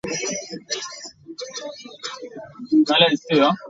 No alumni of the Henderson Skylarks reached the major leagues.